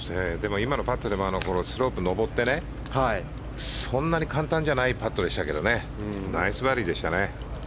今のパットでもスロープを上ってそんなに簡単じゃないパットでしたけどナイスバーディーでしたね。